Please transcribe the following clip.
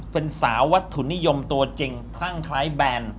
เป็นสาววัตถุนิยมตัวจริงคลั่งคล้ายแบรนด์